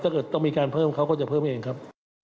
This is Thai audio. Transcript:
ถ้าเกิดต้องมีการเพิ่มเขาก็จะเพิ่มเองครับ